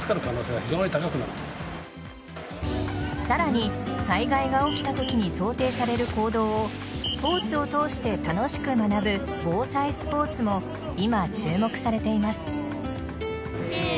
さらに災害が起きたときに想定される行動をスポーツを通して楽しく学ぶ防災スポーツも今、注目されています。